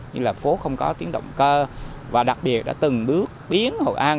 nhưng là phố không có tiếng động cơ và đặc biệt đã từng bước biến hội an